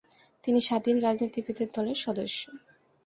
তিনি স্বাধীন রাজনীতিবিদ দলের সদস্য।